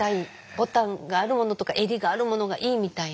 ボタンがあるものとか襟があるものがいいみたいな。